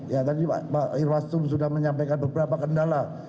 ya tadi pak irwas tum sudah menyampaikan beberapa kendala